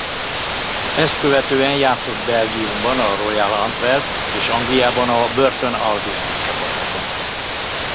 Ezt követően játszott Belgiumban a Royal Antwerp és Angliában a Burton Albion csapatában.